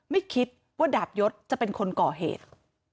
ไม่คิดว่าดาบยศจะเป็นคนก่อเหตุ